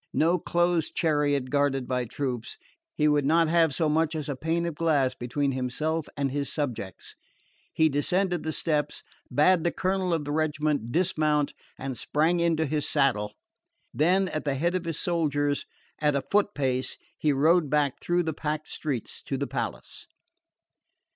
No closed chariot guarded by troops he would not have so much as a pane of glass between himself and his subjects. He descended the steps, bade the colonel of the regiment dismount, and sprang into his saddle. Then, at the head of his soldiers, at a foot pace, he rode back through the packed streets to the palace.